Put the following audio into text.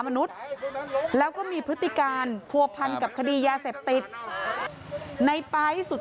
มนุษย์แล้วก็มีพฤติการผัวพันกับคดียาเสพติดในไป๊สุด